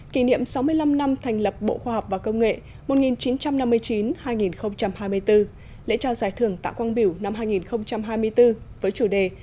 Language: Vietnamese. kỷ niệm sáu mươi năm năm thành lập bộ khoa học và công nghệ một nghìn chín trăm năm mươi chín hai nghìn hai mươi bốn lễ trao giải thưởng tạ quang biểu năm hai nghìn hai mươi bốn với chủ đề